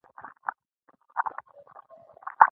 د جګړو مخه به مو نیولې وي.